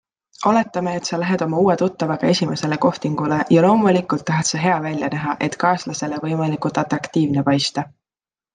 Oletame, et sa lähed oma uue tuttavaga esimesele kohtingule ja loomulikult tahad sa hea välja näha, et kaaslasele võimalikult atraktiivne paista.